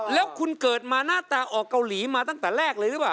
แล้วคุณเกิดมาหน้าตาออกเกาหลีมาตั้งแต่แรกเลยหรือเปล่า